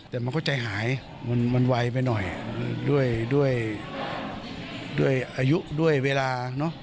แต่มันก็ใจหายมันไวไปหน่อยด้วยอายุด้วยเวลาเนอะ